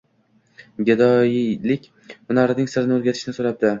Gadoylik hunarining sirini o’rgatishni so’rabdi.